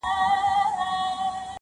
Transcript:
څه کلونه بېخبره وم له ځانه-